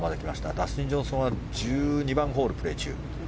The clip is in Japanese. ダスティン・ジョンソンは１２番ホール、プレー中。